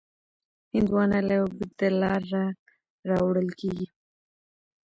هندوانه له اوږده لاره راوړل کېږي.